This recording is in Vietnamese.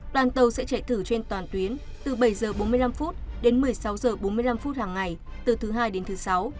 đoàn tàu sẽ chạy thử trên toàn tuyến từ bảy h bốn mươi năm đến một mươi sáu h bốn mươi năm hàng ngày từ thứ hai đến thứ sáu